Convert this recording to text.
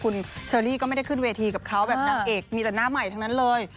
คุณเชอรี่ก็ไม่ได้ขึ้นเวทีกับเขาแบบนางเอกมีแต่หน้าใหม่ทั้งนั้นเลย